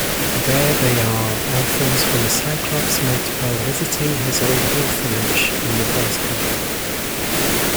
There they are orphans whom Cyclops met while visiting his old orphanage in Nebraska.